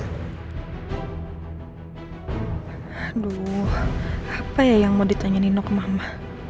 aduh apa ya yang mau ditanya nino ke mama